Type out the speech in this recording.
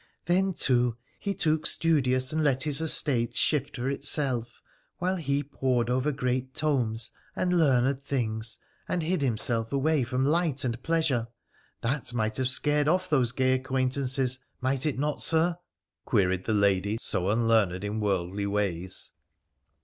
' Then, too, he took studious, and let his estate shift for itself, while he poured over great tomes and learned things, and hid himself away from light and pleasure. That might have scared off those gay acquaintances — might it not, Sir ?' queried the lady so unlearned in worldly ways.